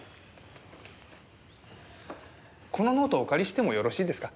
このノートお借りしてもよろしいですか？